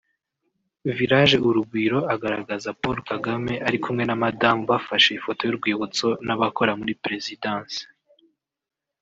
Village Urugwiro agaragaza Paul Kagame ari kumwe na Madamu bafashe ifoto y’urubwitso n’abakora muri Presidanse